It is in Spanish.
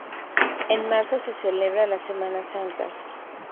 En marzo se celebra la Semana Santa.